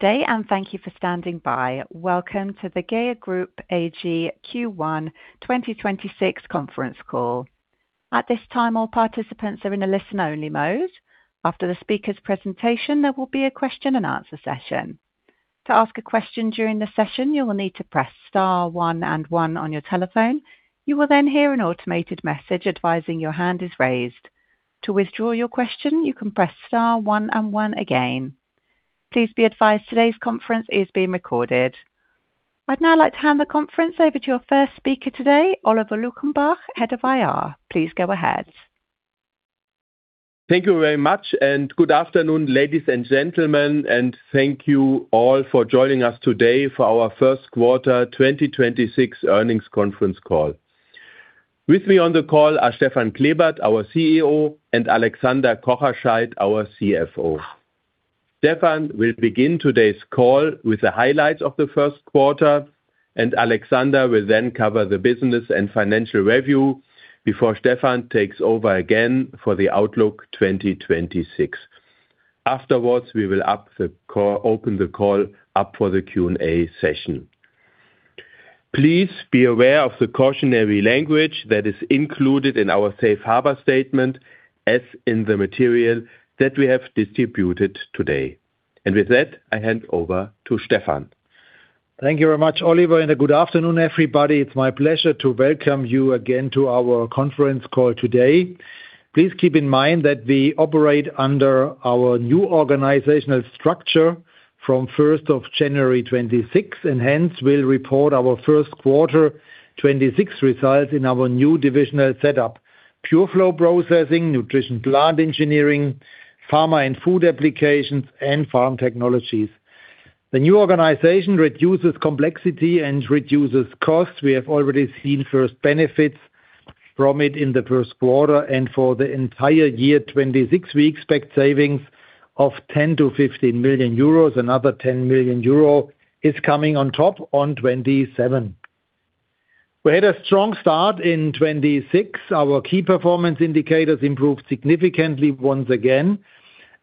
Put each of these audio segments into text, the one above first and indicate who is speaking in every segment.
Speaker 1: Good day, and thank you for standing by. Welcome to the GEA Group AG Q1 2026 Conference Call. At this time, all participants are in a listen-only mode. After the speaker's presentation, there will be a question-and-answer session. To ask a question during the session, you will need to press star one and one on your telephone. You will then hear an automated message advising your hand is raised. To withdraw your question, you can press star one and one again. Please be advised today's conference is being recorded. I'd now like to hand the conference over to your first speaker today, Oliver Luckenbach, Head of IR. Please go ahead.
Speaker 2: Thank you very much. Good afternoon, ladies and gentlemen, and thank you all for joining us today for our first quarter 2026 earnings conference call. With me on the call are Stefan Klebert, our CEO, and Alexander Kocherscheidt, our CFO. Stefan will begin today's call with the highlights of the first quarter, and Alexander will then cover the business and financial review before Stefan takes over again for the outlook 2026. Afterwards, we will open the call up for the Q&A session. Please be aware of the cautionary language that is included in our Safe Harbor statement, as in the material that we have distributed today. With that, I hand over to Stefan.
Speaker 3: Thank you very much, Oliver, and good afternoon, everybody. It's my pleasure to welcome you again to our conference call today. Please keep in mind that we operate under our new organizational structure from January 1st, 2026 and hence will report our first quarter 2026 results in our new divisional setup: Pure Flow Processing, Nutrition Plant Engineering, Pharma & Food Applications, and Farm Technologies. The new organization reduces complexity and reduces costs. We have already seen first benefits from it in the first quarter and for the entire year 2026, we expect savings of 10 million-15 million euros. Another 10 million euro is coming on top on 2027. We had a strong start in 2026. Our key performance indicators improved significantly once again.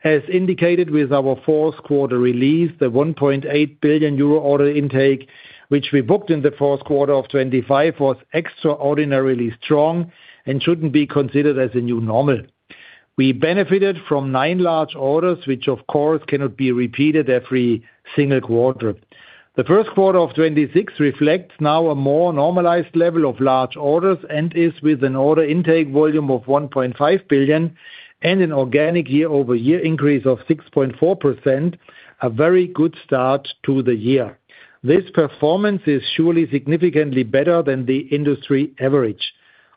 Speaker 3: As indicated with our fourth quarter release, the 1.8 billion euro order intake, which we booked in the fourth quarter of 2025, was extraordinarily strong and shouldn't be considered as a new normal. We benefited from nine large orders, which of course cannot be repeated every single quarter. The first quarter of 2026 reflects now a more normalized level of large orders and is with an order intake volume of 1.5 billion and an organic year-over-year increase of 6.4%, a very good start to the year. This performance is surely significantly better than the industry average.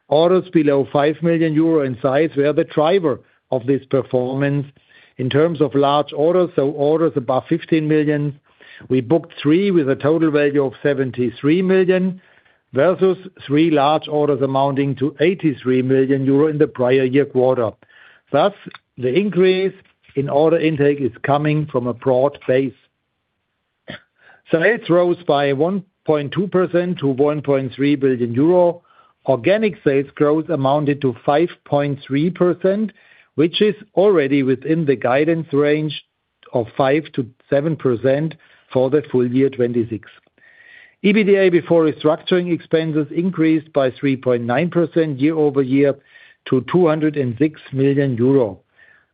Speaker 3: Orders below 5 million euro in size were the driver of this performance. In terms of large orders, so orders above 15 million, we booked three with a total value of 73 million versus three large orders amounting to 83 million euro in the prior year quarter. Thus, the increase in order intake is coming from a broad base. Sales rose by 1.2% to 1.3 billion euro. Organic sales growth amounted to 5.3%, which is already within the guidance range of 5%-7% for the full year 2026. EBITDA before restructuring expenses increased by 3.9% year-over-year to 206 million euro.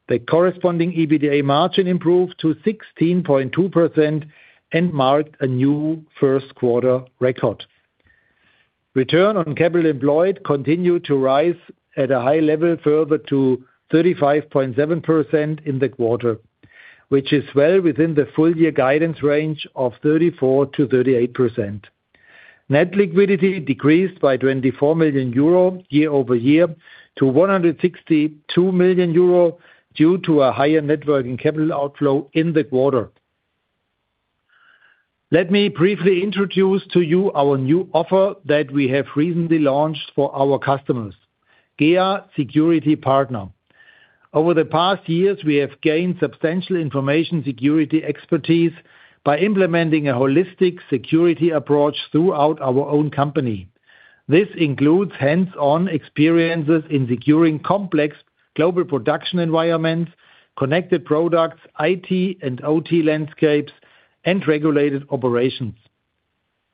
Speaker 3: The corresponding EBITDA margin improved to 16.2% and marked a new first quarter record. Return on capital employed continued to rise at a high level further to 35.7% in the quarter, which is well within the full year guidance range of 34%-38%. Net liquidity decreased by 24 million euro year-over-year to 162 million euro due to a higher net working capital outflow in the quarter. Let me briefly introduce to you our new offer that we have recently launched for our customers, GEA Security Partner. Over the past years, we have gained substantial information security expertise by implementing a holistic security approach throughout our own company. This includes hands-on experiences in securing complex global production environments, connected products, IT and OT landscapes, and regulated operations.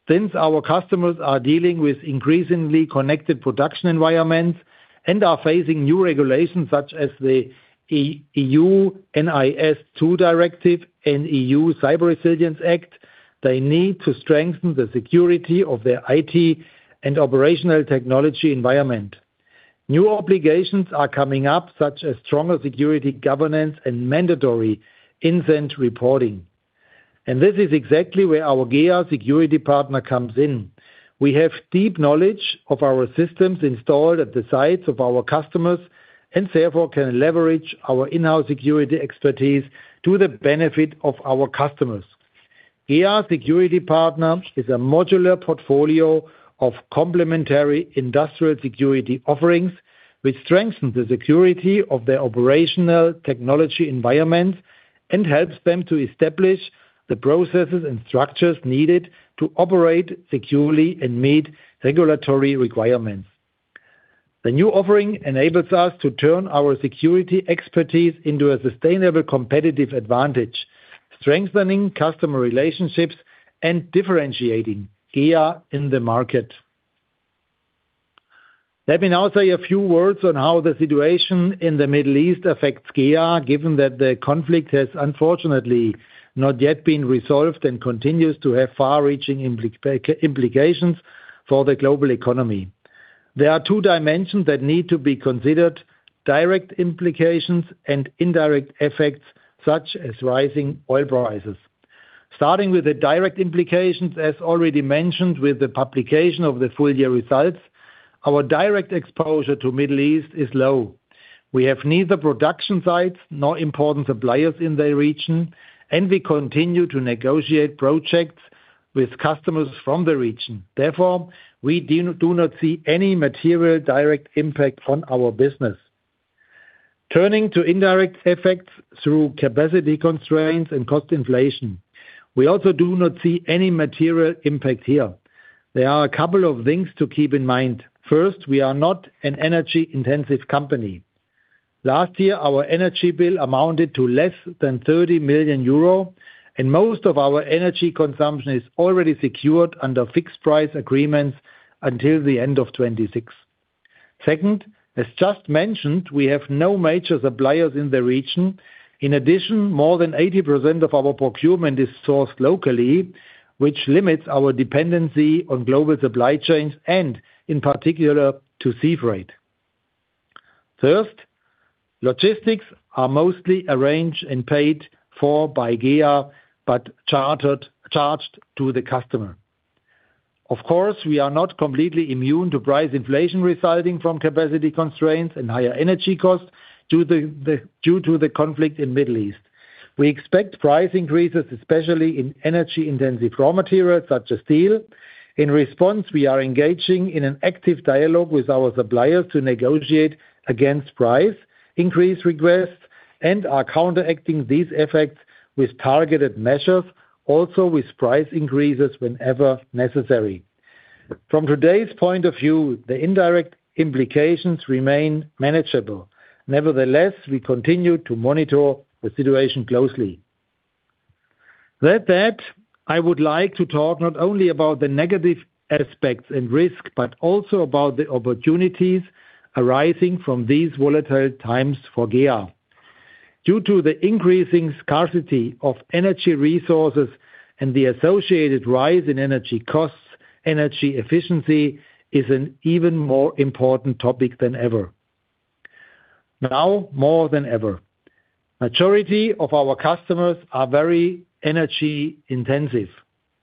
Speaker 3: Since our customers are dealing with increasingly connected production environments and are facing new regulations such as the EU NIS2 Directive and EU Cyber Resilience Act, they need to strengthen the security of their IT and operational technology environment. New obligations are coming up, such as stronger security governance and mandatory incident reporting. This is exactly where our GEA Security Partner comes in. We have deep knowledge of our systems installed at the sites of our customers and therefore can leverage our in-house security expertise to the benefit of our customers. GEA Security Partner is a modular portfolio of complementary industrial security offerings, which strengthen the security of their operational technology environments and helps them to establish the processes and structures needed to operate securely and meet regulatory requirements. The new offering enables us to turn our security expertise into a sustainable competitive advantage, strengthening customer relationships and differentiating GEA in the market. Let me now say a few words on how the situation in the Middle East affects GEA, given that the conflict has unfortunately not yet been resolved and continues to have far-reaching implications for the global economy. There are two dimensions that need to be considered: direct implications and indirect effects, such as rising oil prices. Starting with the direct implications, as already mentioned with the publication of the full year results, our direct exposure to Middle East is low. We have neither production sites nor important suppliers in the region, and we continue to negotiate projects with customers from the region. Therefore, we do not see any material direct impact on our business. Turning to indirect effects through capacity constraints and cost inflation, we also do not see any material impact here. There are a couple of things to keep in mind. First, we are not an energy-intensive company. Last year, our energy bill amounted to less than 30 million euro, and most of our energy consumption is already secured under fixed price agreements until the end of 2026. Second, as just mentioned, we have no major suppliers in the region. In addition, more than 80% of our procurement is sourced locally, which limits our dependency on global supply chains and, in particular, to sea freight. Third, logistics are mostly arranged and paid for by GEA, but charged to the customer. Of course, we are not completely immune to price inflation resulting from capacity constraints and higher energy costs due to the conflict in Middle East. We expect price increases, especially in energy-intensive raw materials, such as steel. In response, we are engaging in an active dialogue with our suppliers to negotiate against price increase requests and are counteracting these effects with targeted measures, also with price increases whenever necessary. From today's point of view, the indirect implications remain manageable. Nevertheless, we continue to monitor the situation closely. With that, I would like to talk not only about the negative aspects and risk, but also about the opportunities arising from these volatile times for GEA. Due to the increasing scarcity of energy resources and the associated rise in energy costs, energy efficiency is an even more important topic than ever. Now more than ever, majority of our customers are very energy-intensive.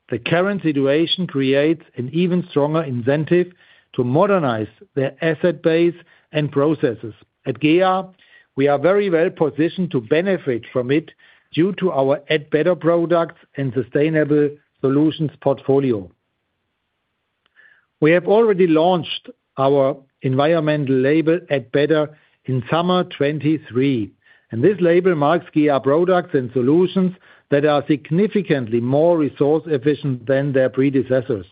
Speaker 3: The current situation creates an even stronger incentive to modernize their asset base and processes. At GEA, we are very well-positioned to benefit from it due to our Add Better products and sustainable solutions portfolio. We have already launched our environmental label Add Better in summer 2023, and this label marks GEA products and solutions that are significantly more resource-efficient than their predecessors.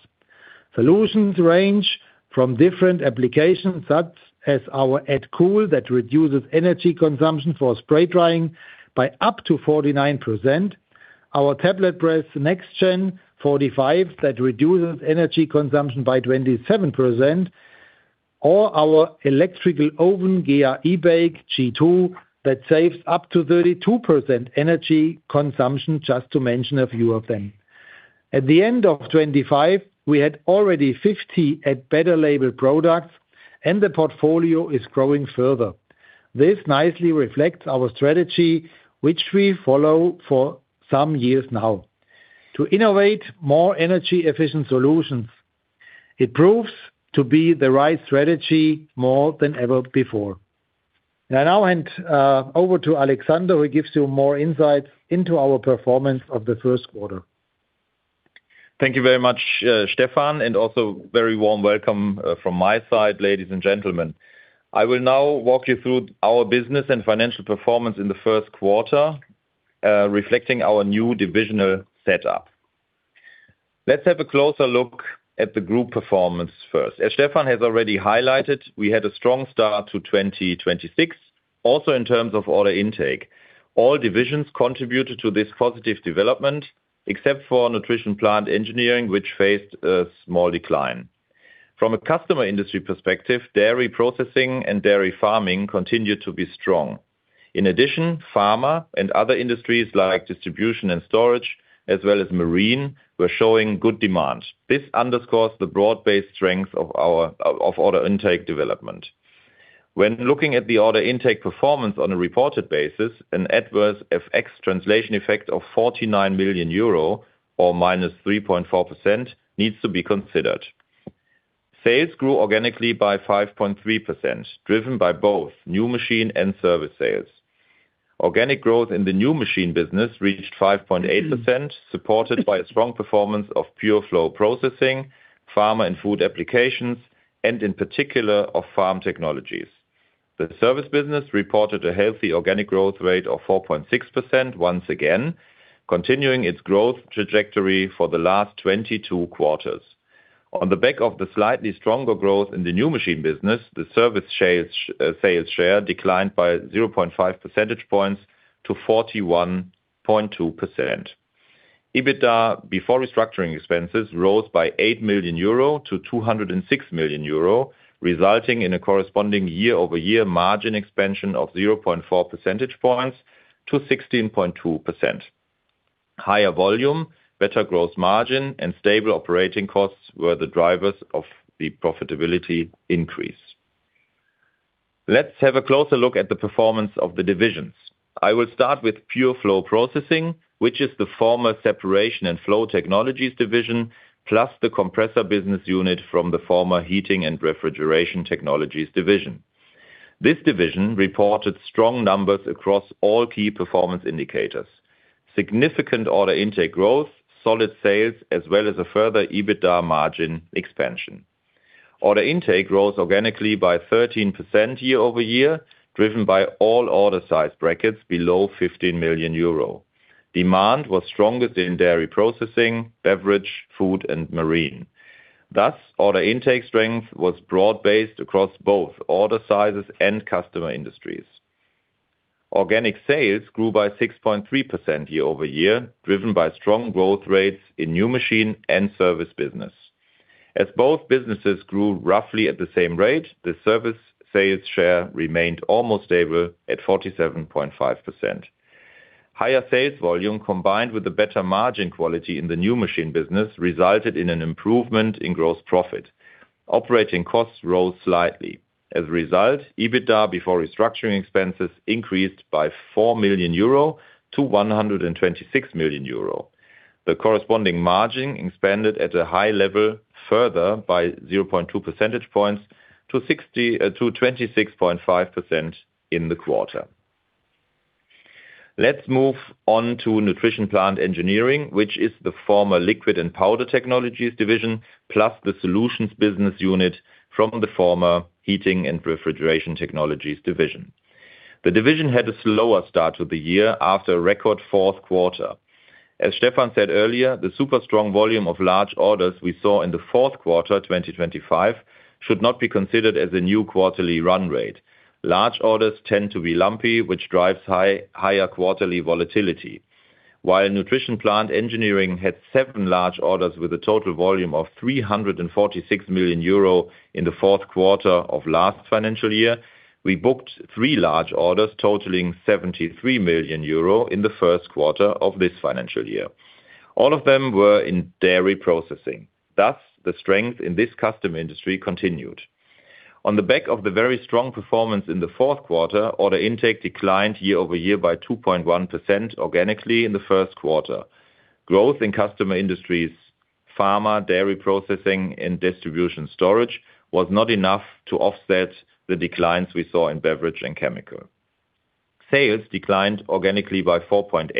Speaker 3: Solutions range from different applications, such as our AddCool that reduces energy consumption for spray drying by up to 49%, our tablet press next-gen 45 that reduces energy consumption by 27%, or our electrical oven GEA eBake G2 that saves up to 32% energy consumption, just to mention a few of them. At the end of 2025, we had already 50 Add Better label products, and the portfolio is growing further. This nicely reflects our strategy, which we follow for some years now: to innovate more energy-efficient solutions. It proves to be the right strategy more than ever before. I now hand over to Alexander, who gives you more insights into our performance of the first quarter.
Speaker 4: Thank you very much, Stefan, and also very warm welcome from my side, ladies and gentlemen. I will now walk you through our business and financial performance in the first quarter, reflecting our new divisional setup. Let's have a closer look at the group performance first. As Stefan has already highlighted, we had a strong start to 2026, also in terms of order intake. All divisions contributed to this positive development, except for Nutrition Plant Engineering, which faced a small decline. From a customer industry perspective, dairy processing and dairy farming continued to be strong. In addition, pharma and other industries like distribution and storage, as well as marine, were showing good demand. This underscores the broad-based strength of order intake development. When looking at the order intake performance on a reported basis, an adverse FX translation effect of 49 million euro or -3.4% needs to be considered. Sales grew organically by 5.3%, driven by both new machine and service sales. Organic growth in the new machine business reached 5.8%, supported by a strong performance of Pure Flow Processing, Pharma & Food Applications, and in particular, of Farm Technologies. The service business reported a healthy organic growth rate of 4.6% once again, continuing its growth trajectory for the last 22 quarters. On the back of the slightly stronger growth in the new machine business, the service shares sales share declined by 0.5 percentage points to 41.2%. EBITDA before restructuring expenses rose by 8 million euro to 206 million euro, resulting in a corresponding year-over-year margin expansion of 0.4 percentage points to 16.2%. Higher volume, better gross margin, and stable operating costs were the drivers of the profitability increase. Let's have a closer look at the performance of the divisions. I will start with Pure Flow Processing, which is the former Separation & Flow Technologies division, plus the compressor business unit from the former Heating & Refrigeration Technologies division. This division reported strong numbers across all key performance indicators. Significant order intake growth, solid sales, as well as a further EBITDA margin expansion. Order intake rose organically by 13% year-over-year, driven by all order size brackets below 15 million euro. Demand was strongest in dairy processing, beverage, food, and marine. Thus, order intake strength was broad-based across both order sizes and customer industries. Organic sales grew by 6.3% year-over-year, driven by strong growth rates in new machine and service business. As both businesses grew roughly at the same rate, the service sales share remained almost stable at 47.5%. Higher sales volume, combined with the better margin quality in the new machine business, resulted in an improvement in gross profit. Operating costs rose slightly. As a result, EBITDA before restructuring expenses increased by 4 million-126 million euro. The corresponding margin expanded at a high level further by 0.2 percentage points to 26.5% in the quarter. Let's move on to Nutrition Plant Engineering, which is the former Liquid & Powder Technologies division, plus the solutions business unit from the former Heating & Refrigeration Technologies division. The division had a slower start to the year after a record fourth quarter. As Stefan said earlier, the super strong volume of large orders we saw in the fourth quarter, 2025 should not be considered as a new quarterly run rate. Large orders tend to be lumpy, which drives higher quarterly volatility. While Nutrition Plant Engineering had seven large orders with a total volume of 346 million euro in the fourth quarter of last financial year, we booked three large orders totaling 73 million euro in the first quarter of this financial year. All of them were in dairy processing. The strength in this customer industry continued. On the back of the very strong performance in the fourth quarter, order intake declined year-over-year by 2.1% organically in the first quarter. Growth in customer industries, Pharma, dairy processing, and distribution storage was not enough to offset the declines we saw in beverage and chemical. Sales declined organically by 4.8%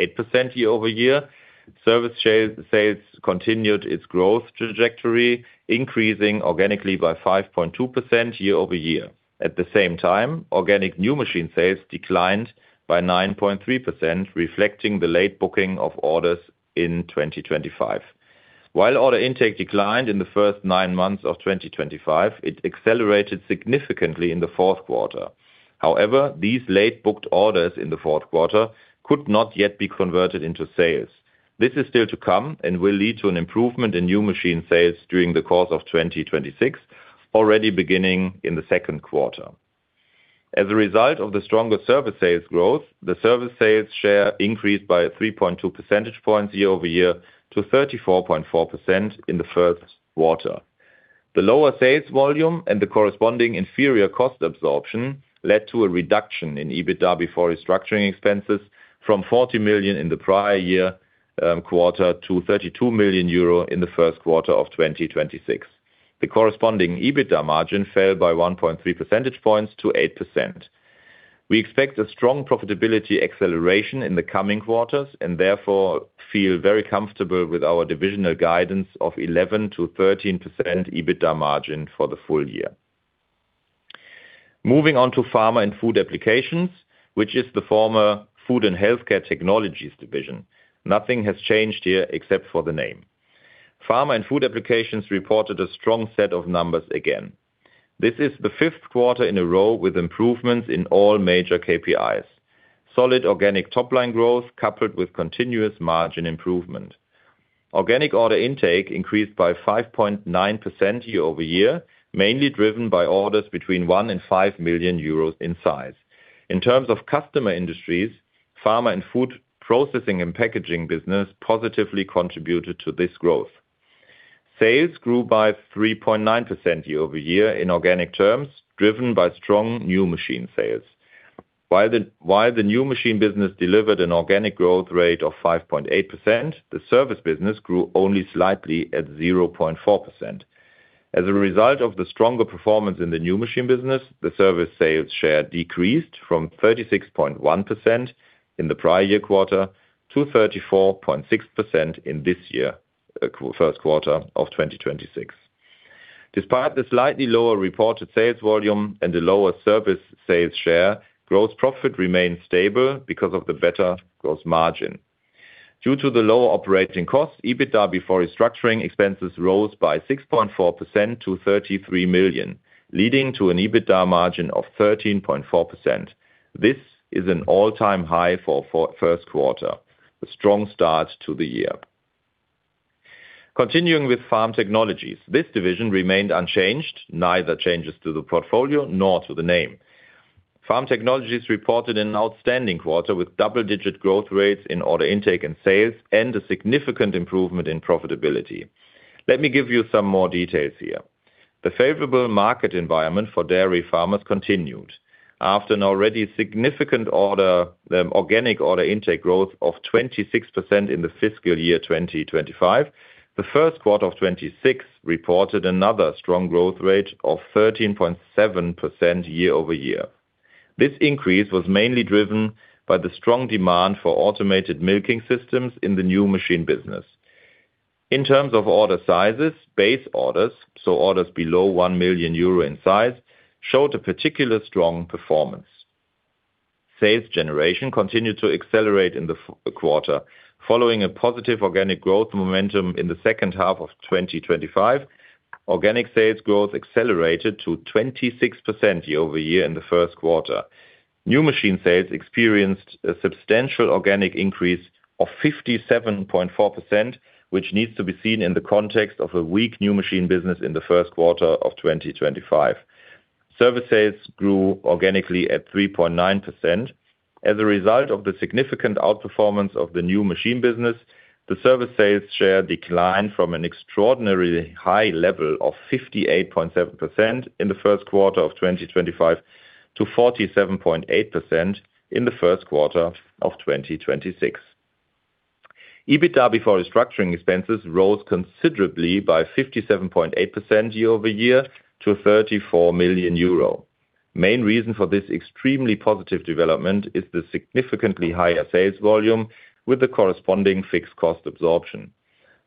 Speaker 4: year-over-year. Service sales continued its growth trajectory, increasing organically by 5.2% year-over-year. At the same time, organic new machine sales declined by 9.3%, reflecting the late booking of orders in 2025. While order intake declined in the first nine months of 2025, it accelerated significantly in the fourth quarter. However, these late-booked orders in the fourth quarter could not yet be converted into sales. This is still to come and will lead to an improvement in new machine sales during the course of 2026, already beginning in the second quarter. As a result of the stronger service sales growth, the service sales share increased by 3.2 percentage points year-over-year to 34.4% in the first quarter. The lower sales volume and the corresponding inferior cost absorption led to a reduction in EBITDA before restructuring expenses from 40 million in the prior year quarter, to 32 million euro in the first quarter of 2026. The corresponding EBITDA margin fell by 1.3 percentage points to 8%. We expect a strong profitability acceleration in the coming quarters and therefore feel very comfortable with our divisional guidance of 11%-13% EBITDA margin for the full year. Moving on to Pharma and Food Applications, which is the former Food and Healthcare Technologies division. Nothing has changed here except for the name. Pharma and Food Applications reported a strong set of numbers again. This is the fifth quarter in a row with improvements in all major KPIs. Solid organic top-line growth coupled with continuous margin improvement. Organic order intake increased by 5.9% year-over-year, mainly driven by orders between 1 and 5 million euros in size. In terms of customer industries, pharma and food processing and packaging business positively contributed to this growth. Sales grew by 3.9% year-over-year in organic terms, driven by strong new machine sales. While the new machine business delivered an organic growth rate of 5.8%, the service business grew only slightly at 0.4%. As a result of the stronger performance in the new machine business, the service sales share decreased from 36.1% in the prior year quarter to 34.6% in this year, first quarter of 2026. Despite the slightly lower reported sales volume and the lower service sales share, gross profit remains stable because of the better gross margin. Due to the lower operating costs, EBITDA before restructuring expenses rose by 6.4% to 33 million, leading to an EBITDA margin of 13.4%. This is an all-time high for first quarter, a strong start to the year. Continuing with Farm Technologies, this division remained unchanged, neither changes to the portfolio nor to the name. Farm Technologies reported an outstanding quarter with double-digit growth rates in order intake and sales and a significant improvement in profitability. Let me give you some more details here. The favorable market environment for dairy farmers continued. After an already significant order, organic order intake growth of 26% in the fiscal year 2025, the first quarter of 2026 reported another strong growth rate of 13.7% year-over-year. This increase was mainly driven by the strong demand for automated milking systems in the new machine business. In terms of order sizes, base orders, so orders below 1 million euro in size, showed a particular strong performance. Sales generation continued to accelerate in the quarter following a positive organic growth momentum in the second half of 2025. Organic sales growth accelerated to 26% year-over-year in the first quarter. New machine sales experienced a substantial organic increase of 57.4%, which needs to be seen in the context of a weak new machine business in the first quarter of 2025. Service sales grew organically at 3.9%. As a result of the significant outperformance of the new machine business, the service sales share declined from an extraordinarily high level of 58.7% in the first quarter of 2025 to 47.8% in the first quarter of 2026. EBITDA before restructuring expenses rose considerably by 57.8% year-over-year to 34 million euro. Main reason for this extremely positive development is the significantly higher sales volume with the corresponding fixed cost absorption.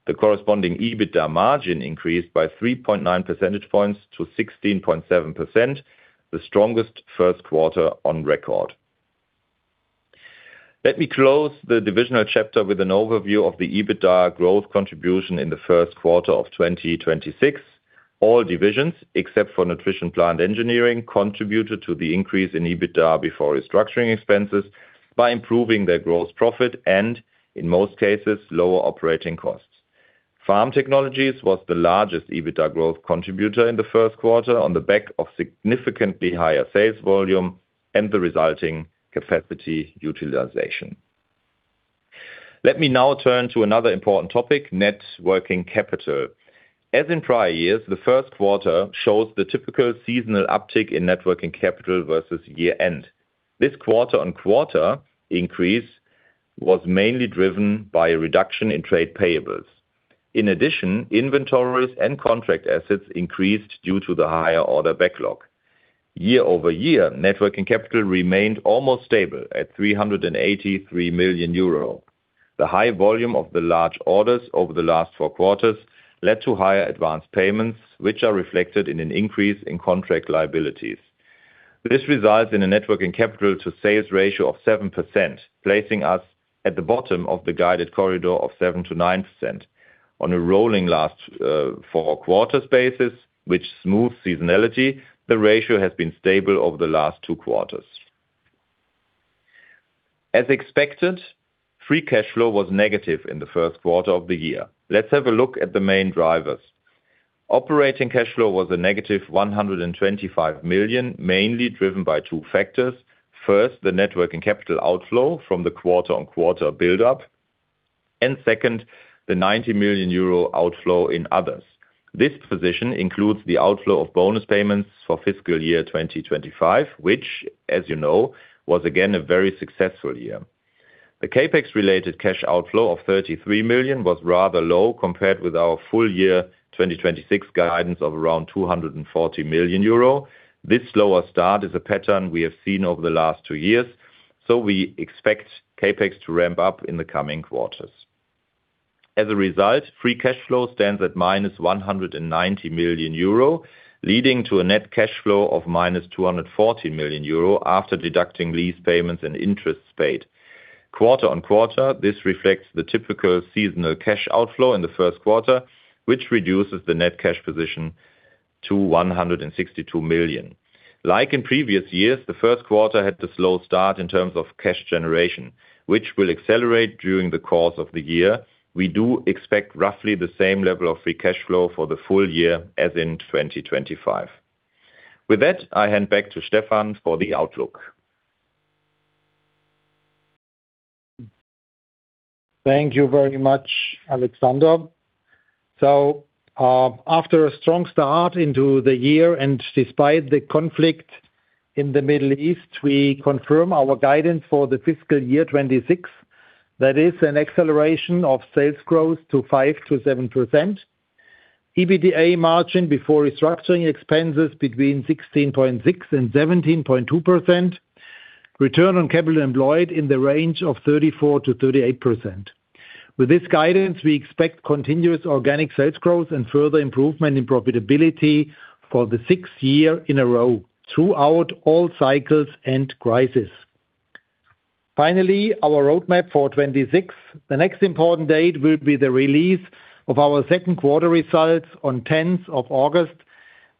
Speaker 4: The corresponding EBITDA margin increased by 3.9 percentage points to 16.7%, the strongest first quarter on record. Let me close the divisional chapter with an overview of the EBITDA growth contribution in the first quarter of 2026. All divisions, except for Nutrition Plant Engineering, contributed to the increase in EBITDA before restructuring expenses by improving their gross profit and, in most cases, lower operating costs. Farm Technologies was the largest EBITDA growth contributor in the first quarter on the back of significantly higher sales volume and the resulting capacity utilization. Let me now turn to another important topic: net working capital. As in prior years, the first quarter shows the typical seasonal uptick in net working capital versus year-end. This quarter-on-quarter increase was mainly driven by a reduction in trade payables. In addition, inventories and contract assets increased due to the higher order backlog. Year-over-year, net working capital remained almost stable at 383 million euro. The high volume of the large orders over the last four quarters led to higher advanced payments, which are reflected in an increase in contract liabilities. This results in a net working capital to sales ratio of 7%, placing us at the bottom of the guided corridor of 7%-9%. On a rolling last, four quarter basis, which smooth seasonality, the ratio has been stable over the last two quarters. As expected, free cash flow was negative in the first quarter of the year. Let's have a look at the main drivers. Operating cash flow was a negative 125 million, mainly driven by two factors. First, the net working capital outflow from the quarter-on-quarter buildup, and second, the 90 million euro outflow in others. This position includes the outflow of bonus payments for fiscal year 2025, which, as you know, was again a very successful year. The CapEx related cash outflow of 33 million was rather low compared with our full year 2026 guidance of around 240 million euro. This slower start is a pattern we have seen over the last two years, we expect CapEx to ramp up in the coming quarters. As a result, free cash flow stands at -190 million euro, leading to a net cash flow of -240 million euro after deducting lease payments and interest paid. Quarter-on-quarter, this reflects the typical seasonal cash outflow in the first quarter, which reduces the net cash position to 162 million. Like in previous years, the first quarter had the slow start in terms of cash generation, which will accelerate during the course of the year. We do expect roughly the same level of free cash flow for the full year as in 2025. With that, I hand back to Stefan for the outlook.
Speaker 3: Thank you very much, Alexander. After a strong start into the year and despite the conflict in the Middle East, we confirm our guidance for the fiscal year 2026. That is an acceleration of sales growth to 5%-7% EBITDA margin before restructuring expenses between 16.6% and 17.2%. Return on capital employed in the range of 34%-38%. With this guidance, we expect continuous organic sales growth and further improvement in profitability for the sixth year in a row throughout all cycles and crisis. Finally, our roadmap for 2026. The next important date will be the release of our second quarter results on August 10th.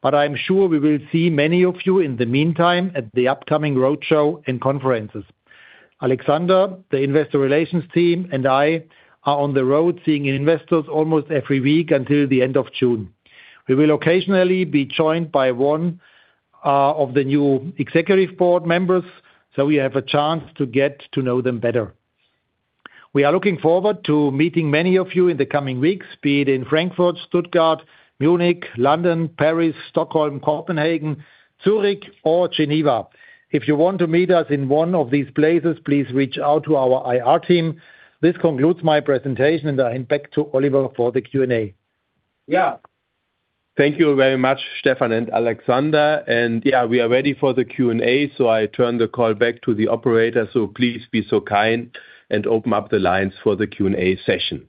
Speaker 3: I'm sure we will see many of you in the meantime at the upcoming roadshow and conferences. Alexander, the investor relations team and I are on the road seeing investors almost every week until the end of June. We will occasionally be joined by one of the new executive board members, so we have a chance to get to know them better. We are looking forward to meeting many of you in the coming weeks, be it in Frankfurt, Stuttgart, Munich, London, Paris, Stockholm, Copenhagen, Zurich or Geneva. If you want to meet us in one of these places, please reach out to our IR team. This concludes my presentation, and I hand back to Oliver for the Q&A.
Speaker 2: Yeah. Thank you very much, Stefan and Alexander. Yeah, we are ready for the Q&A, so I turn the call back to the operator. Please be so kind and open up the lines for the Q&A session.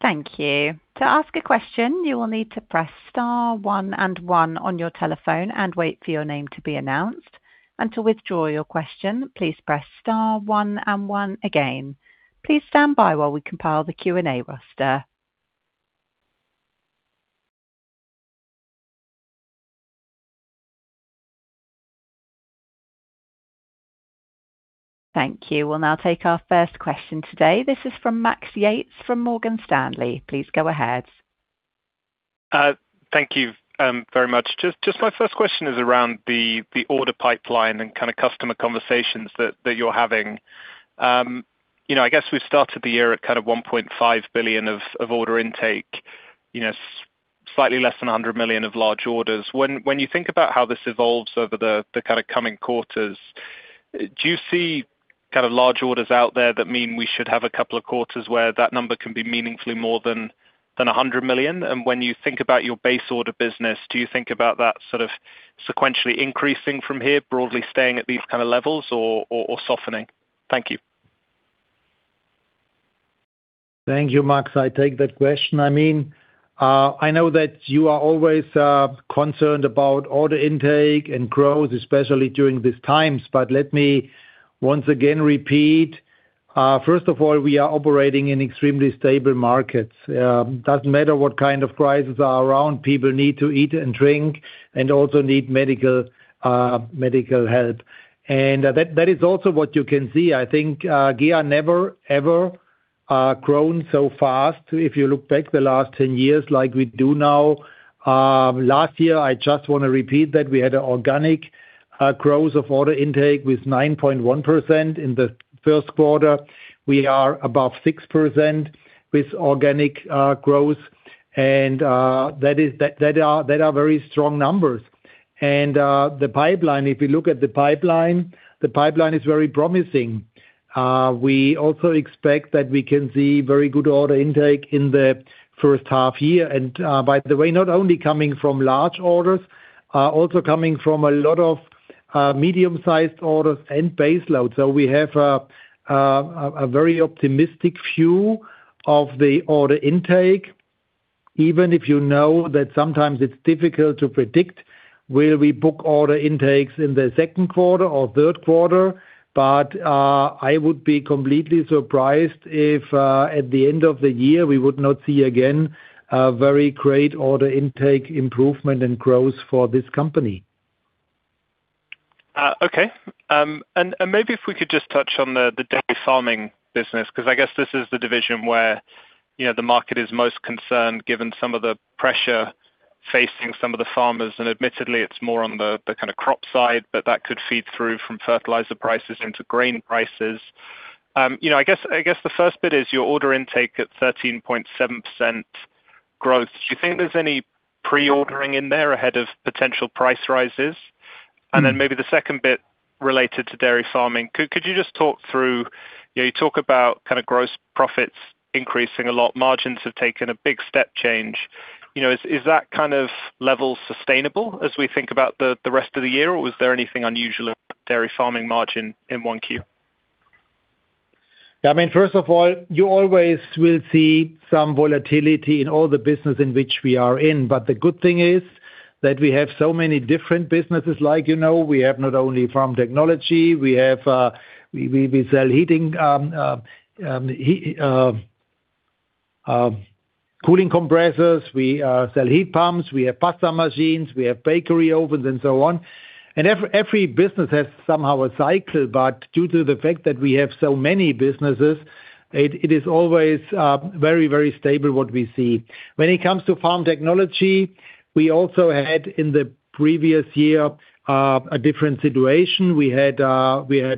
Speaker 1: Thank you. To ask a question, you will need to press star one and one on your telephone and wait for your name to be announced and to withdraw your question, please press star one and one again. Please stand-by while we compile the Q&A roster. Thank you. We'll now take our first question today. This is from Max Yates from Morgan Stanley. Please go ahead.
Speaker 5: Thank you very much. Just my first question is around the order pipeline and kind of customer conversations that you're having. You know, I guess we've started the year at kind of 1.5 billion of order intake, you know, slightly less than 100 million of large orders. When you think about how this evolves over the kind of coming quarters, do you see kind of large orders out there that mean we should have a couple of quarters where that number can be meaningfully more than 100 million? When you think about your base order business, do you think about that sort of sequentially increasing from here, broadly staying at these kind of levels or softening? Thank you.
Speaker 3: Thank you, Max. I take that question. I mean, I know that you are always concerned about order intake and growth, especially during these times. Let me once again repeat, first of all, we are operating in extremely stable markets. Doesn't matter what kind of crisis are around, people need to eat and drink and also need medical medical help. That is also what you can see. I think GEA never, ever grown so fast. If you look back the last 10 years like we do now, last year, I just want to repeat that we had an organic growth of order intake with 9.1%. In the first quarter, we are above 6% with organic growth. That are very strong numbers. The pipeline, if you look at the pipeline, the pipeline is very promising. We also expect that we can see very good order intake in the first half year. By the way, not only coming from large orders, also coming from a lot of medium-sized orders and baseload. We have a very optimistic view of the order intake, even if you know that sometimes it's difficult to predict will we book order intakes in the second quarter or third quarter. I would be completely surprised if at the end of the year, we would not see again a very great order intake improvement and growth for this company.
Speaker 5: Okay. Maybe if we could just touch on the dairy farming business, 'cause I guess this is the division where the market is most concerned, given some of the pressure facing some of the farmers. Admittedly, it's more on the kinda crop side, but that could feed through from fertilizer prices into grain prices. I guess the first bit is your order intake at 13.7% growth. Do you think there's any pre-ordering in there ahead of potential price rises? Maybe the second bit related to dairy farming. Could you just talk through, you know, you talk about kinda gross profits increasing a lot, margins have taken a big step change. You know, is that kind of level sustainable as we think about the rest of the year, or was there anything unusual in dairy farming margin in 1Q?
Speaker 3: I mean, first of all, you always will see some volatility in all the business in which we are in. The good thing is that we have so many different businesses like, you know, we have not only Farm Technologies, we sell heating cooling compressors. We sell heat pumps, we have pasta machines, we have bakery ovens and so on. Every business has somehow a cycle, but due to the fact that we have so many businesses, it is always very, very stable what we see. When it comes to Farm Technologies, we also had in the previous year a different situation. We had let's say,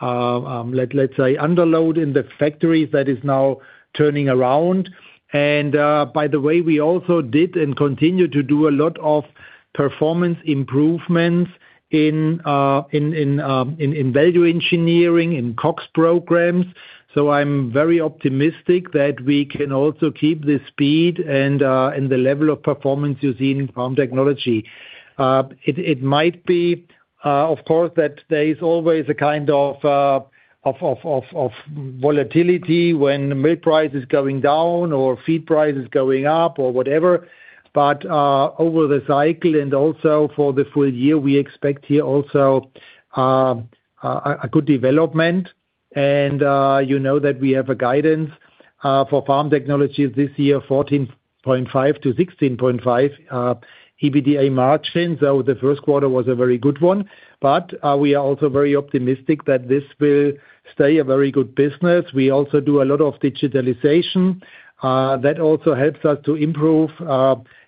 Speaker 3: underload in the factories that is now turning around. By the way, we also did and continue to do a lot of performance improvements in value engineering, in cost programs. I'm very optimistic that we can also keep the speed and the level of performance you see in Farm Technologies. It might be, of course, that there is always a kind of volatility when milk price is going down or feed price is going up or whatever. Over the cycle and also for the full year, we expect here also a good development. You know that we have a guidance for Farm Technologies this year, 14.5%-16.5% EBITDA margin, though the first quarter was a very good one. We are also very optimistic that this will stay a very good business. We also do a lot of digitalization that also helps us to improve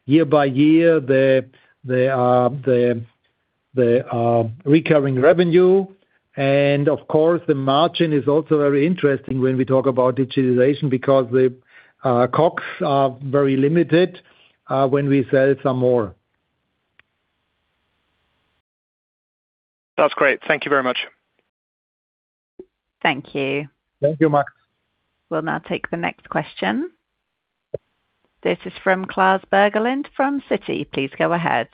Speaker 3: year by year the recurring revenue and of course, the margin is also very interesting when we talk about digitalization because the costs are very limited when we sell some more.
Speaker 5: That's great. Thank you very much.
Speaker 1: Thank you.
Speaker 3: Thank you, Max.
Speaker 1: We'll now take the next question. This is from Klas Bergelind from Citi. Please go ahead.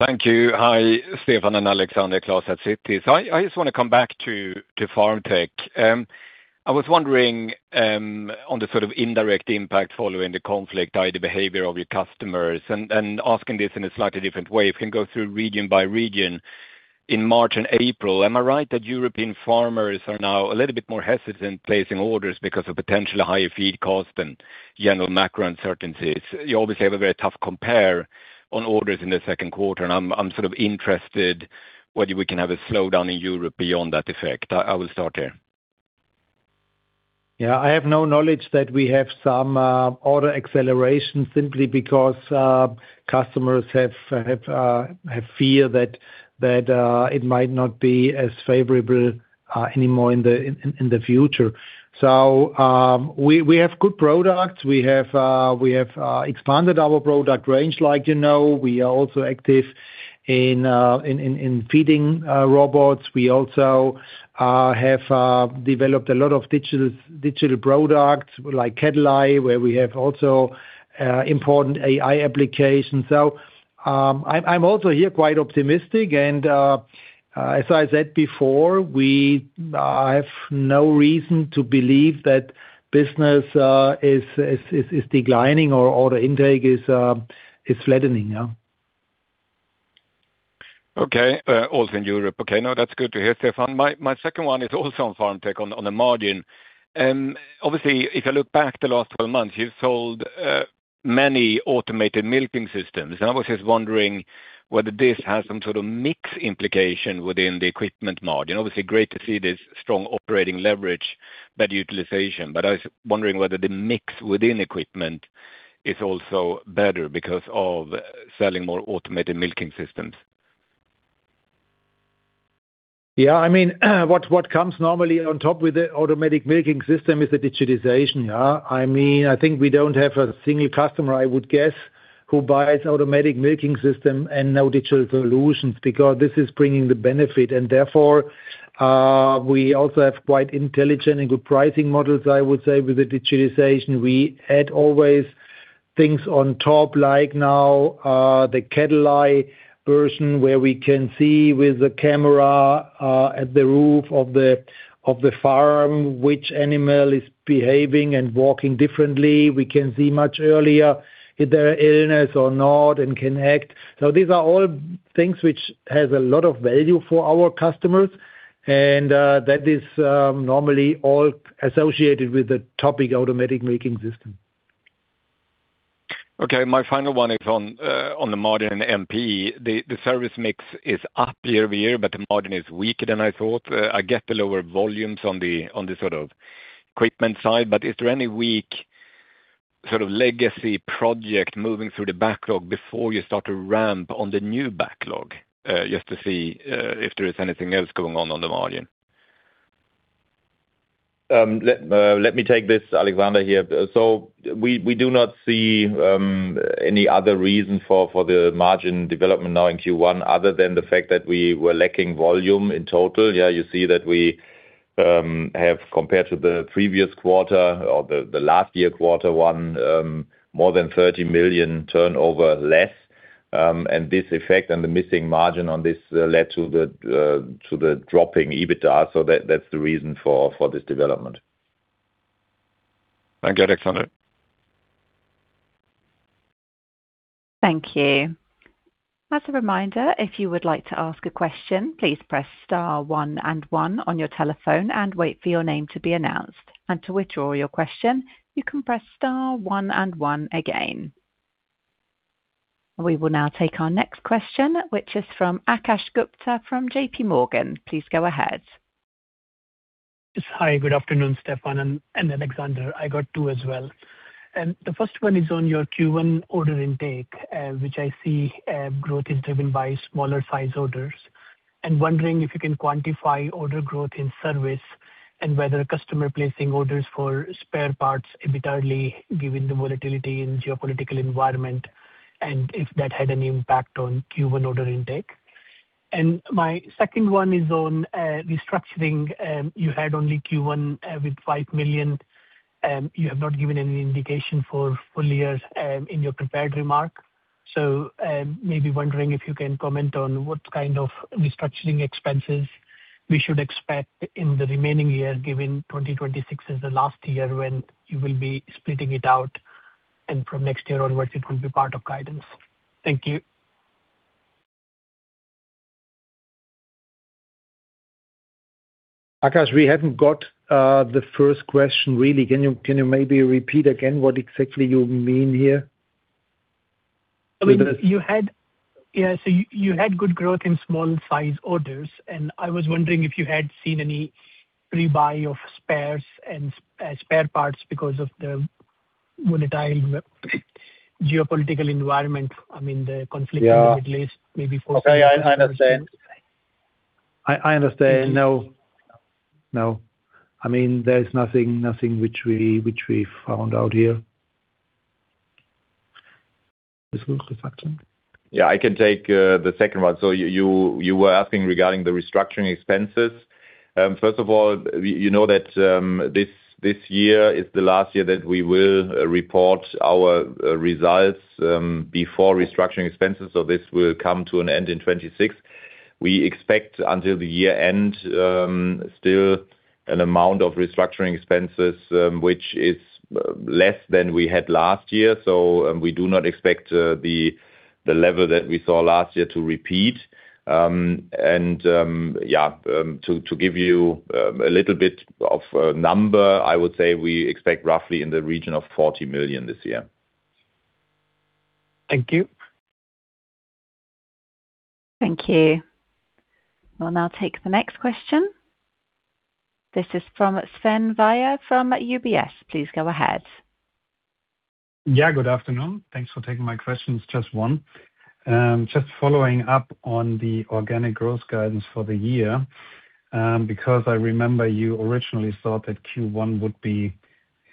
Speaker 6: Thank you. Hi, Stefan and Alexander. Klas at Citi. I just want to come back to FarmTech. I was wondering on the sort of indirect impact following the conflict, i.e. the behavior of your customers and asking this in a slightly different way. If you can go through region by region in March and April, am I right that European farmers are now a little bit more hesitant placing orders because of potentially higher feed cost and general macro uncertainties? You obviously have a very tough compare on orders in the second quarter, and I'm sort of interested whether we can have a slowdown in Europe beyond that effect. I will start here.
Speaker 3: Yeah. I have no knowledge that we have some order acceleration simply because customers have fear that it might not be as favorable anymore in the future. We have good products. We have expanded our product range, like you know. We are also active in feeding robots. We also have developed a lot of digital products like CattleEye, where we have also important AI applications. I'm also here quite optimistic and as I said before, I have no reason to believe that business is declining or order intake is flattening, yeah.
Speaker 6: Okay. Also in Europe. That's good to hear, Stefan. My second one is also on FarmTech, on the margin. Obviously, if you look back the last 12 months, you've sold many automated milking systems, I was just wondering whether this has some sort of mix implication within the equipment margin. Obviously, great to see this strong operating leverage, better utilization, I was wondering whether the mix within equipment is also better because of selling more automated milking systems.
Speaker 3: I mean, what comes normally on top with the automatic milking system is the digitization, yeah? I mean, I think we don't have a single customer, I would guess, who buys automatic milking system and no digital solutions because this is bringing the benefit. Therefore, we also have quite intelligent and good pricing models, I would say, with the digitalization. We add always things on top, like now, the CattleEye version, where we can see with the camera at the roof of the farm which animal is behaving and walking differently. We can see much earlier if there are illness or not and can act. These are all things which has a lot of value for our customers and that is normally all associated with the topic automatic milking system.
Speaker 6: Okay. My final one is on the margin NPE. The service mix is up year-over-year, but the margin is weaker than I thought. I get the lower volumes on the, on the sort of equipment side, but is there any weak sort of legacy project moving through the backlog before you start to ramp on the new backlog, just to see if there is anything else going on on the margin?
Speaker 4: Let me take this. Alexander here. We do not see any other reason for the margin development now in Q1, other than the fact that we were lacking volume in total. You see that we have compared to the previous quarter or the last year quarter one, more than 30 million turnover less. This effect and the missing margin on this led to the dropping EBITDA. That is the reason for this development.
Speaker 6: Thank you, Alexander.
Speaker 1: Thank you. As a reminder, if you would like to ask a question, please press star one and one on your telephone and wait for your name to be announced. To withdraw your question, you can press star one and one again. We will now take our next question, which is from Akash Gupta from JPMorgan. Please go ahead.
Speaker 7: Yes. Hi, good afternoon, Stefan and Alexander. I got two as well. The first one is on your Q1 order intake, which I see growth is driven by smaller size orders. I'm wondering if you can quantify order growth in service and whether customer placing orders for spare parts additionally, given the volatility in geopolitical environment and if that had any impact on Q1 order intake. My second one is on restructuring. You had only Q1 with 5 million. You have not given any indication for full years in your prepared remark. Maybe wondering if you can comment on what kind of restructuring expenses we should expect in the remaining year, given 2026 is the last year when you will be splitting it out, and from next year onwards, it will be part of guidance. Thank you.
Speaker 3: Akash, we haven't got the first question really. Can you maybe repeat again what exactly you mean here?
Speaker 7: I mean, you had, yeah you had good growth in small size orders, and I was wondering if you had seen any rebuy of spares and spare parts because of the volatile geopolitical environment.
Speaker 3: Yeah
Speaker 7: - in the Middle East, maybe for-
Speaker 3: Okay. I understand. I understand. No. No. I mean, there's nothing which we found out here.
Speaker 4: I can take the second one. You were asking regarding the restructuring expenses. First of all, you know that this year is the last year that we will report our results before restructuring expenses. This will come to an end in 2026. We expect until the year-end still an amount of restructuring expenses, which is less than we had last year. We do not expect the level that we saw last year to repeat. To give you a little bit of a number, I would say we expect roughly in the region of 40 million this year.
Speaker 7: Thank you.
Speaker 1: Thank you. We'll now take the next question. This is from Sven Weier from UBS. Please go ahead.
Speaker 8: Good afternoon. Thanks for taking my questions. Just one. Just following up on the organic growth guidance for the year, because I remember you originally thought that Q1 would be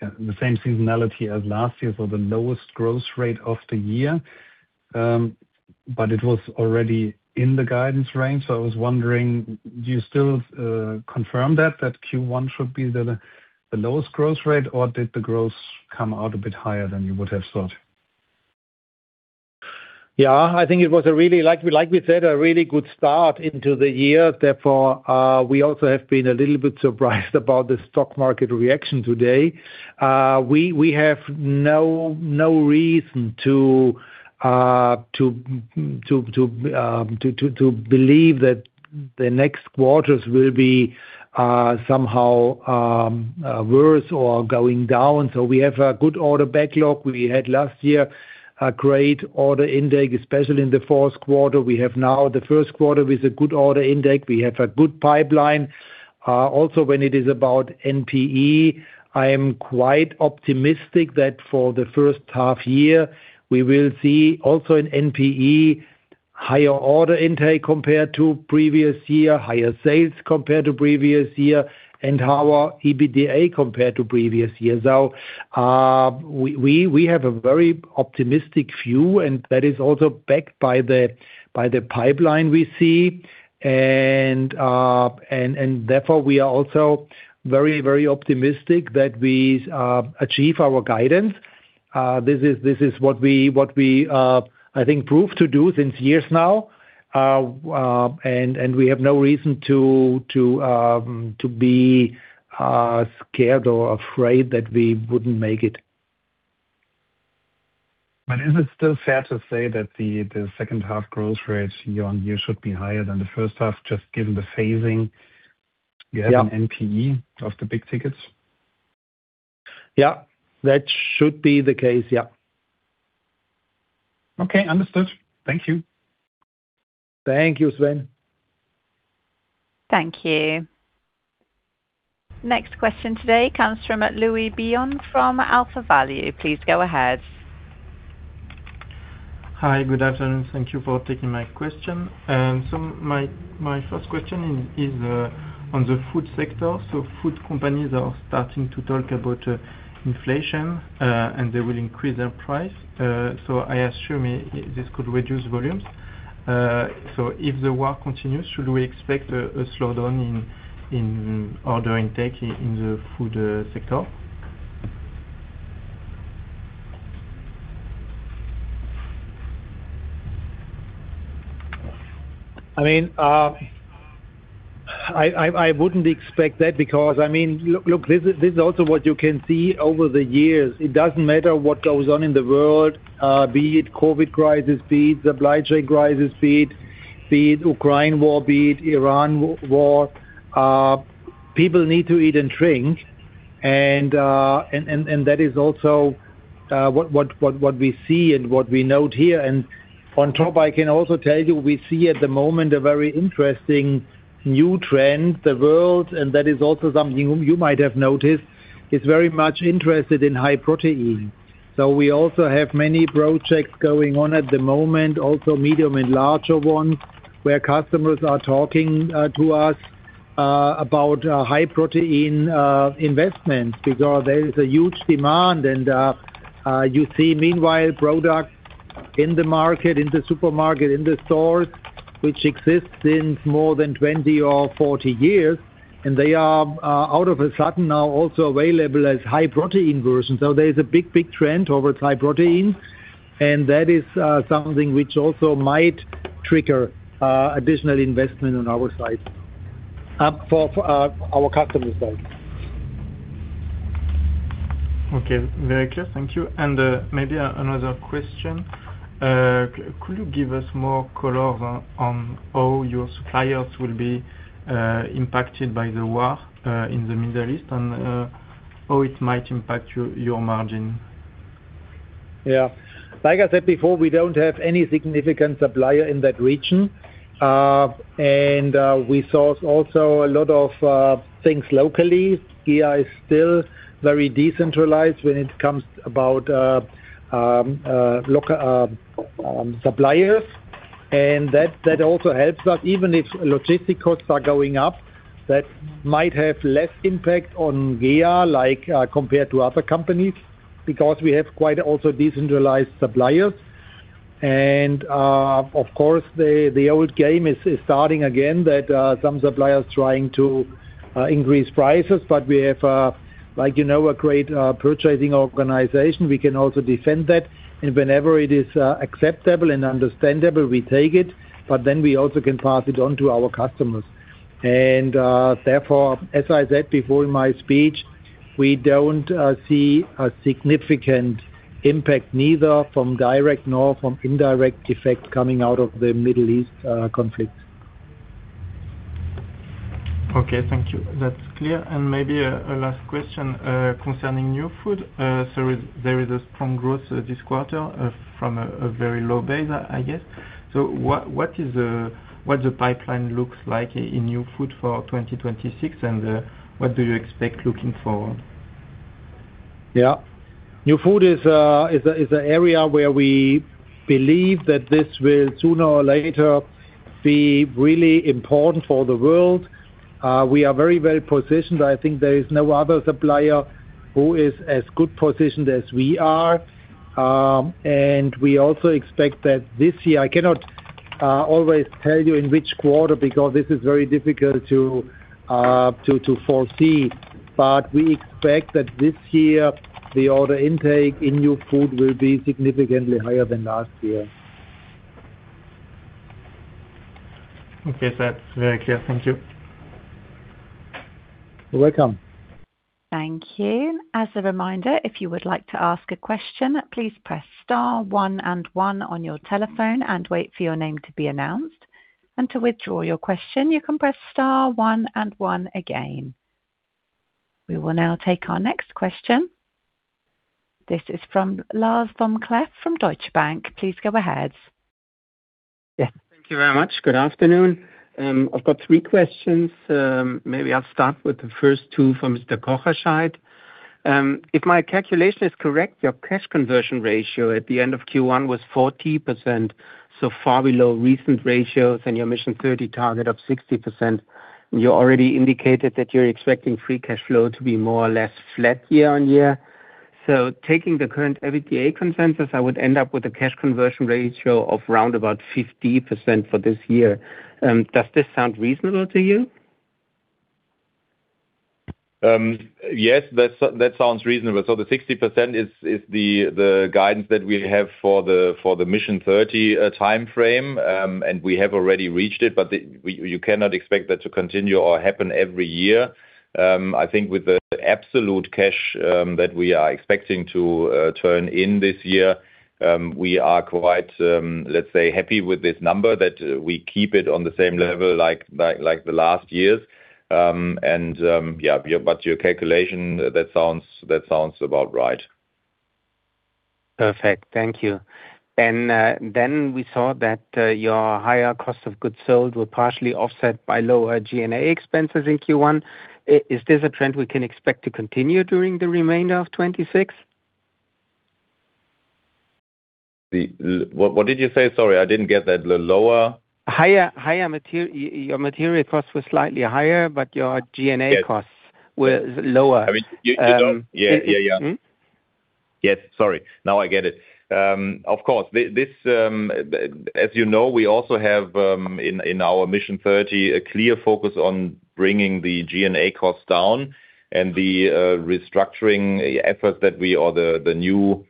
Speaker 8: the same seasonality as last year, so the lowest growth rate of the year. It was already in the guidance range. I was wondering, do you still confirm that Q1 should be the lowest growth rate? Did the growth come out a bit higher than you would have thought?
Speaker 3: Yeah. I think it was a really like we said, a really good start into the year. We also have been a little bit surprised about the stock market reaction today. We have no reason to believe that the next quarters will be somehow worse or going down. We have a good order backlog. We had last year a great order intake, especially in the fourth quarter. We have now the first quarter with a good order intake. We have a good pipeline. Also, when it is about NPE, I am quite optimistic that for the first half year, we will see also in NPE, higher order intake compared to previous year, higher sales compared to previous year, and our EBITDA compared to previous years. We have a very optimistic view, and that is also backed by the pipeline we see. Therefore, we are also very, very optimistic that we achieve our guidance. This is what we, I think, proved to do since years now. And we have no reason to be scared or afraid that we wouldn't make it.
Speaker 8: Is it still fair to say that the second half growth rates year-on-year should be higher than the first half, just given the phasing?
Speaker 3: Yeah.
Speaker 8: You have in NPE of the big tickets?
Speaker 3: Yeah. That should be the case. Yeah.
Speaker 8: Okay. Understood. Thank you.
Speaker 3: Thank you, Sven.
Speaker 1: Thank you. Next question today comes from Louis Billon from AlphaValue. Please go ahead.
Speaker 9: Hi. Good afternoon. Thank you for taking my question. My first question is on the food sector. Food companies are starting to talk about inflation, and they will increase their price. I assume this could reduce volumes. If the war continues, should we expect a slowdown in order intake in the food sector?
Speaker 3: I mean, I wouldn't expect that because, I mean, look, this is also what you can see over the years. It doesn't matter what goes on in the world, be it COVID crisis, be it supply chain crisis, be it Ukraine war, be it Iran war. People need to eat and drink. That is also what we see and what we note here. On top, I can also tell you we see at the moment a very interesting new trend, the world, and that is also something you might have noticed, is very much interested in high protein. We also have many projects going on at the moment, also medium and larger ones, where customers are talking to us about a high protein investment because there is a huge demand and you see meanwhile product in the market, in the supermarket, in the stores, which exists in more than 20 or 40 years, and they are out of a sudden now also available as high protein version. There is a big trend towards high protein, and that is something which also might trigger additional investment on our side for our customers' side.
Speaker 9: Okay. Very clear. Thank you. Maybe another question. Could you give us more color on how your suppliers will be impacted by the war in the Middle East and how it might impact your margin?
Speaker 3: Yeah. Like I said before, we don't have any significant supplier in that region. We source also a lot of things locally. GEA is still very decentralized when it comes about local suppliers. That also helps us. Even if logistic costs are going up, that might have less impact on GEA, like, compared to other companies, because we have quite also decentralized suppliers. Of course, the old game is starting again that some suppliers trying to increase prices. We have, like, you know, a great purchasing organization. We can also defend that. Whenever it is acceptable and understandable, we take it, but then we also can pass it on to our customers. Therefore, as I said before in my speech, we don't see a significant impact neither from direct nor from indirect effect coming out of the Middle East conflict.
Speaker 9: Okay. Thank you. That's clear. Maybe a last question concerning new food. There is a strong growth this quarter from a very low base, I guess. What the pipeline looks like in new food for 2026, what do you expect looking forward?
Speaker 3: Yeah. New food is a area where we believe that this will sooner or later be really important for the world. We are very positioned. I think there is no other supplier who is as good positioned as we are. We also expect that this year, I cannot always tell you in which quarter because this is very difficult to foresee, but we expect that this year, the order intake in new food will be significantly higher than last year.
Speaker 9: Okay. That's very clear. Thank you.
Speaker 3: You're welcome.
Speaker 1: Thank you. As a reminder, if you would like to ask a question, please press star one and one on your telephone and wait for your name to be announced. To withdraw your question, you can press star one and one again. We will now take our next question. This is from Lars vom Cleff from Deutsche Bank. Please go ahead.
Speaker 10: Yes. Thank you very much. Good afternoon. I've got three questions. Maybe I'll start with the first two for Mr. Kocherscheidt. If my calculation is correct, your cash conversion ratio at the end of Q1 was 40%, so far below recent ratios and your Mission 30 target of 60%. You already indicated that you're expecting free cash flow to be more or less flat year-on-year. Taking the current EBITDA consensus, I would end up with a cash conversion ratio of around 50% for this year. Does this sound reasonable to you?
Speaker 4: Yes, that sounds reasonable. The 60% is the guidance that we have for the Mission 30 timeframe. We have already reached it, but you cannot expect that to continue or happen every year. I think with the absolute cash that we are expecting to turn in this year, we are quite, let's say, happy with this number that we keep it on the same level like the last years. Your calculation, that sounds about right.
Speaker 10: Perfect. Thank you. We saw that your higher cost of goods sold were partially offset by lower G&A expenses in Q1. Is this a trend we can expect to continue during the remainder of 2026?
Speaker 4: What did you say? Sorry, I didn't get that. The lower?
Speaker 10: Your material costs were slightly higher, but your G&A costs.
Speaker 4: Yes
Speaker 10: - were lower.
Speaker 4: I mean.
Speaker 10: Yeah, yeah.
Speaker 4: Yes. Sorry. Now I get it. Of course, this, as you know, we also have in our Mission 30, a clear focus on bringing the G&A costs down and the restructuring efforts that we or the new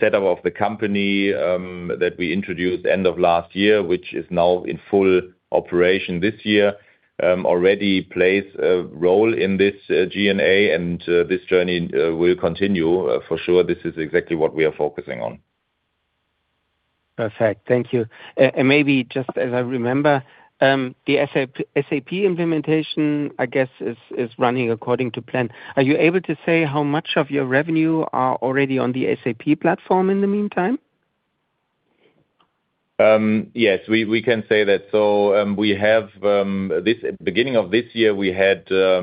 Speaker 4: setup of the company that we introduced end of last year, which is now in full operation this year, already plays a role in this G&A, and this journey will continue for sure. This is exactly what we are focusing on.
Speaker 10: Perfect. Thank you. Maybe just as I remember, the SAP implementation, I guess, is running according to plan. Are you able to say how much of your revenue are already on the SAP platform in the meantime?
Speaker 4: Yes, we can say that. Beginning of this year, we had a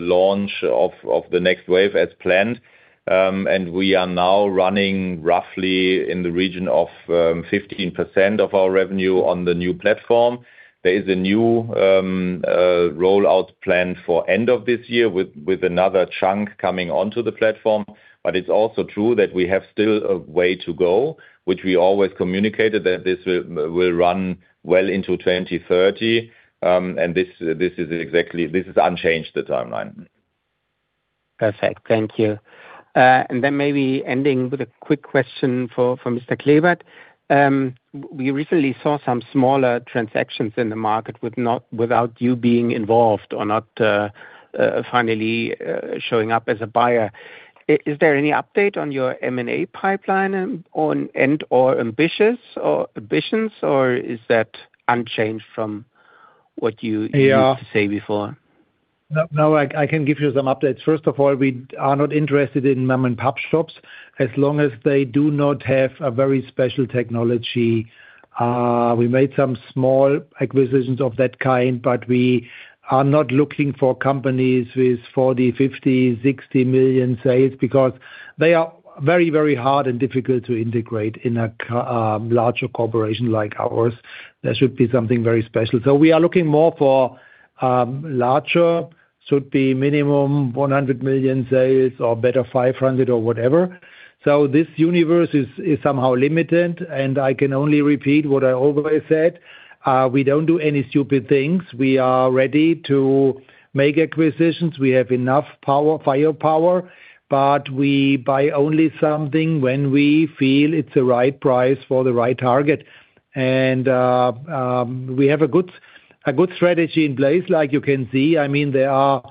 Speaker 4: launch of the next wave as planned. We are now running roughly in the region of 15% of our revenue on the new platform. There is a new rollout plan for end of this year with another chunk coming onto the platform. It is also true that we have still a way to go, which we always communicated that this will run well into 2030. This is unchanged, the timeline.
Speaker 10: Perfect. Thank you. Then maybe ending with a quick question for Mr. Klebert. We recently saw some smaller transactions in the market with without you being involved or not, finally, showing up as a buyer. Is there any update on your M&A pipeline and, or ambitions or is that unchanged -
Speaker 3: Yeah
Speaker 10: - used to say before?
Speaker 3: No, no, I can give you some updates. First of all, we are not interested in mom and pop shops, as long as they do not have a very special technology. We made some small acquisitions of that kind, but we are not looking for companies with 40 million, 50 million, 60 million sales because they are very hard and difficult to integrate in a larger corporation like ours. There should be something very special. We are looking more for larger, should be minimum 100 million sales or better, 500 million sales or whatever. This universe is somehow limited, and I can only repeat what I always said. We don't do any stupid things. We are ready to make acquisitions. We have enough power, firepower, but we buy only something when we feel it's the right price for the right target. We have a good strategy in place, like you can see. I mean, there are.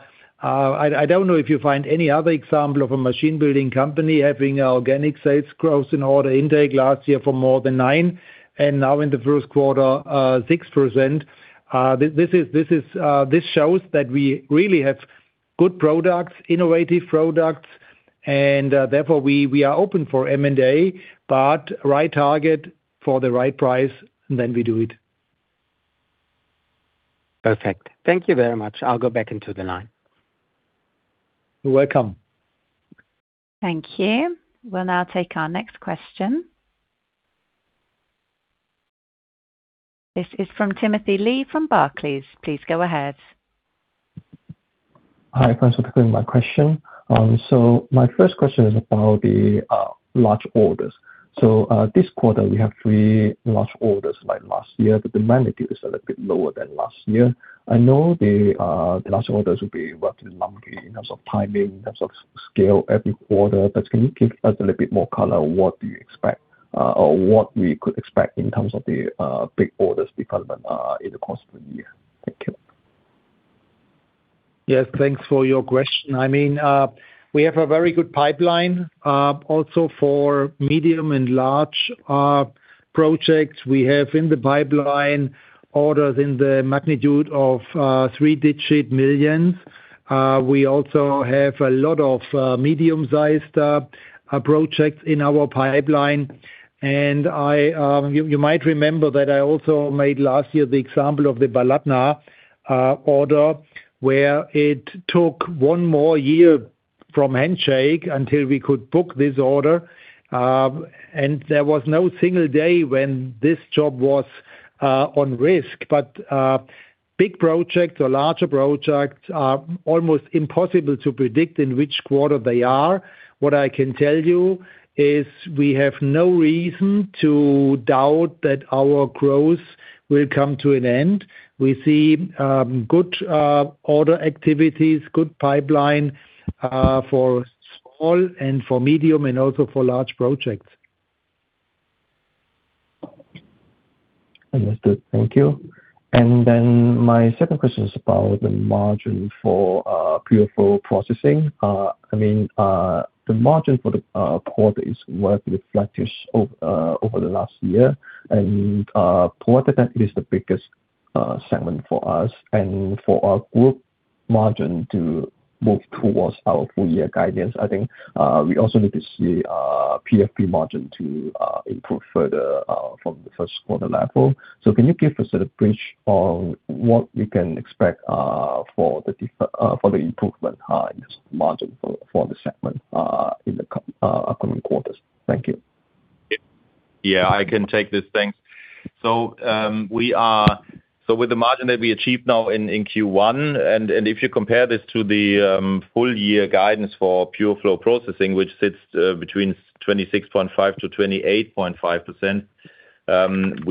Speaker 3: I do not know if you find any other example of a machine building company having organic sales growth in order intake last year for more than 9%, and now in the first quarter, 6%. This is, this shows that we really have good products, innovative products, therefore we are open for M&A, but right target for the right price, and then we do it.
Speaker 10: Perfect. Thank you very much. I'll go back into the line.
Speaker 3: You're welcome.
Speaker 1: Thank you. We'll now take our next question. This is from Timothy Lee from Barclays. Please go ahead.
Speaker 11: Hi. Thanks for taking my question. My first question is about the large orders. This quarter we have three large orders like last year, but the magnitude is a little bit lower than last year. I know the last orders will be worked in lumpy in terms of timing, in terms of scale every quarter, but can you give us a little bit more color, what do you expect or what we could expect in terms of the big orders development in the course of the year? Thank you.
Speaker 3: Yes. Thanks for your question. I mean, we have a very good pipeline, also for medium and large projects. We have in the pipeline orders in the magnitude of EUR 3-digit millions. We also have a lot of medium-sized projects in our pipeline. I, you might remember that I also made last year the example of the Baladna order, where it took one more year from handshake until we could book this order. There was no single day when this job was on risk. Big projects or larger projects are almost impossible to predict in which quarter they are. What I can tell you is we have no reason to doubt that our growth will come to an end. We see good order activities, good pipeline for small and for medium and also for large projects.
Speaker 11: Understood. Thank you. My second question is about the margin for Pure Flow Processing. I mean, the margin for the quarter is relatively flattish over the last year quarter, that is the biggest segment for us and for our group margin to move towards our full year guidance. I think, we also need to see PFP margin to improve further from the first quarter level. Can you give us a bridge on what we can expect for the improvement in this margin for the segment in the upcoming quarters? Thank you.
Speaker 4: Yeah, I can take this. Thanks. With the margin that we achieved now in Q1, and if you compare this to the full year guidance for Pure Flow Processing, which sits between 26.5%-28.5%,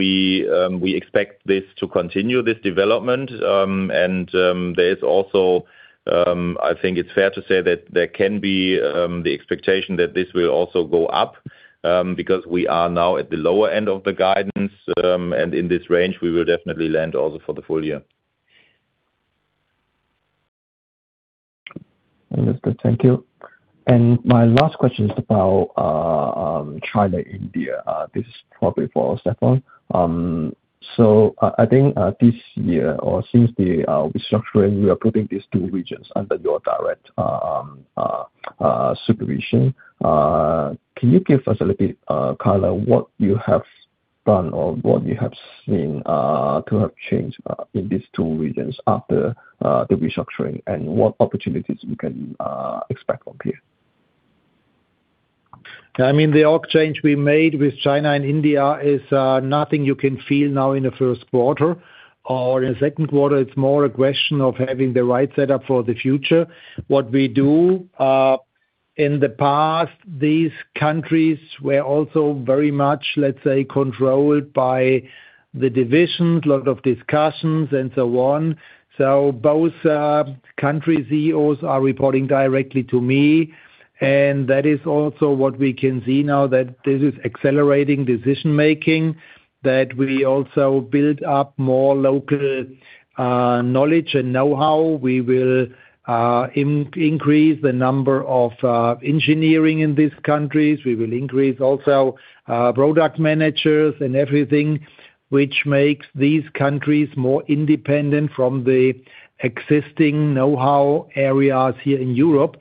Speaker 4: we expect this to continue this development. There is also, I think it's fair to say that there can be the expectation that this will also go up because we are now at the lower end of the guidance, and in this range, we will definitely land also for the full year.
Speaker 11: Understood. Thank you. My last question is about China, India. This is probably for Stefan. I think this year or since the restructuring, we are putting these two regions under your direct supervision. Can you give us a little bit color what you have done or what you have seen to have changed in these two regions after the restructuring and what opportunities we can expect from here?
Speaker 3: I mean, the org change we made with China and India is nothing you can feel now in the first quarter or in the second quarter. It's more a question of having the right setup for the future. What we do, in the past, these countries were also very much, let's say, controlled by the divisions, lot of discussions and so on. Both country CEOs are reporting directly to me. That is also what we can see now that this is accelerating decision-making, that we also build up more local knowledge and know-how. We will increase the number of engineering in these countries. We will increase also product managers and everything, which makes these countries more independent from the existing know-how areas here in Europe.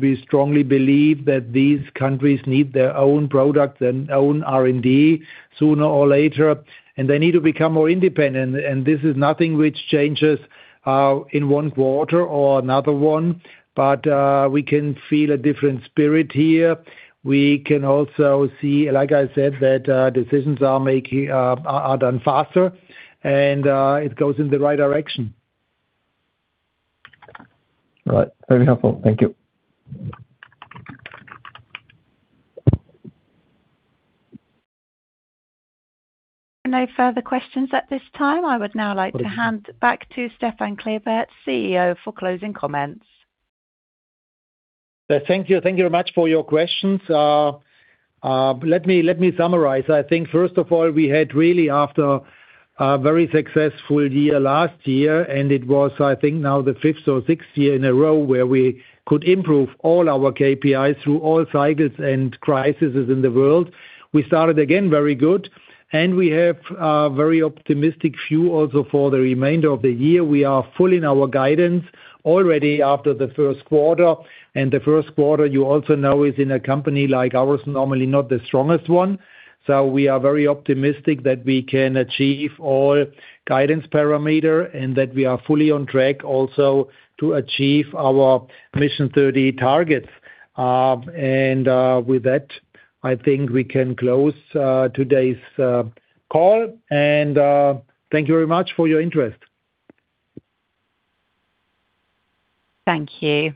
Speaker 3: We strongly believe that these countries need their own product, their own R&D sooner or later, and they need to become more independent. This is nothing which changes in one quarter or another one. We can feel a different spirit here. We can also see, like I said, that decisions are done faster and it goes in the right direction.
Speaker 11: All right. Very helpful. Thank you.
Speaker 1: No further questions at this time. I would now like to hand back to Stefan Klebert, CEO, for closing comments.
Speaker 3: Thank you. Thank you very much for your questions. Let me summarize. I think first of all, we had really after a very successful year last year, and it was, I think now the fifth or sixth year in a row where we could improve all our KPIs through all cycles and crises in the world. We started again very good. We have a very optimistic view also for the remainder of the year. We are full in our guidance already after the first quarter. The first quarter, you also know, is in a company like ours, normally not the strongest one. We are very optimistic that we can achieve all guidance parameter and that we are fully on track also to achieve our Mission 30 targets. With that, I think we can close today's call. Thank you very much for your interest.
Speaker 1: Thank you.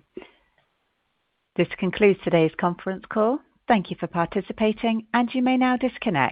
Speaker 1: This concludes today's conference call. Thank you for participating, and you may now disconnect.